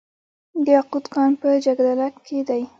د یاقوت کان په جګدلک کې دی